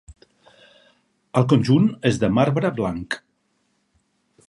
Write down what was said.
El conjunt és de marbre blanc.